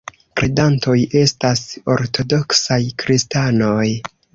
Kredantoj estas ortodoksaj kristanoj.